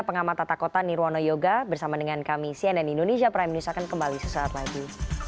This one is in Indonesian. pengamat tata kota nirwono yoga bersama dengan kami cnn indonesia prime news akan kembali sesaat lagi